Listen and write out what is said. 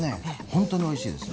本当においしいです。